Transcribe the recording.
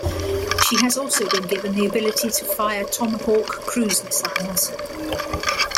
She has also been given the ability to fire Tomahawk cruise missiles.